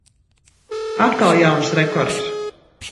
Atkal jauns rekords.